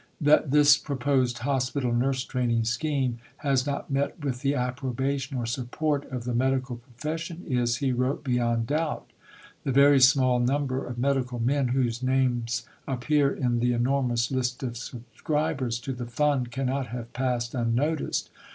"That this proposed hospital nurse training scheme has not met with the approbation or support of the medical profession is," he wrote, "beyond doubt. The very small number of medical men whose names appear in the enormous list of subscribers to the fund cannot have passed unnoticed.